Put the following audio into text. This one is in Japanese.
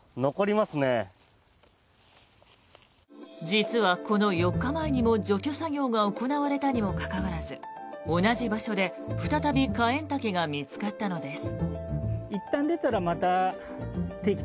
実はこの４日前にも除去作業が行われたにもかかわらず同じ場所で再びカエンタケが見つかったのです。